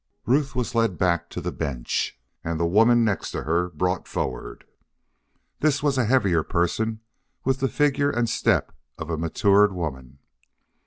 Ruth was led back to the bench, and the woman next to her brought forward. This was a heavier person, with the figure and step of a matured woman.